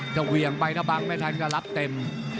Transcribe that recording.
เหวี่ยงไปถ้าบังไม่ทันก็รับเต็ม